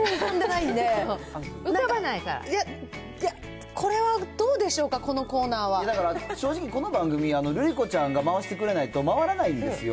いや、これはどうでしょうかだから、正直、この番組、瑠璃子ちゃんが回してくれないと回らないんですよ。